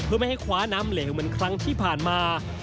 เพื่อไม่ให้คว้าน้ำเหลวเหมือนครั้งที่ผ่านมา